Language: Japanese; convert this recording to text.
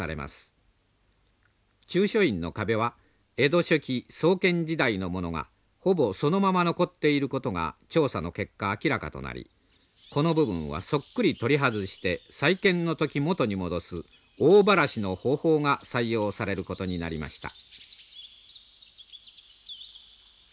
中書院の壁は江戸初期創建時代のものがほぼそのまま残っていることが調査の結果明らかとなりこの部分はそっくり取り外して再建の時元に戻す「大ばらし」の方法が採用されることになりました。